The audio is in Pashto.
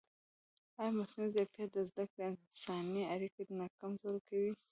ایا مصنوعي ځیرکتیا د زده کړې انساني اړیکه نه کمزورې کوي؟